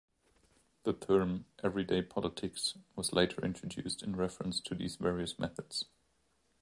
The term "everyday politics" was later introduced in reference to these various methods.